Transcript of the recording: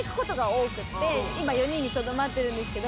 今４人にとどまってるんですけど。